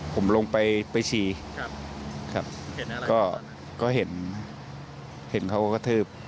ผมลงไปไปฉี่ครับก็เห็นเห็นเขากระทืบ